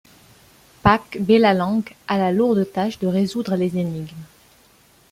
Pak Belalang a la lourde tâche de résoudre les énigmes.